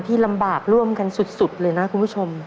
ที่ลำบากร่วมกันสุดเลยนะคุณผู้ชม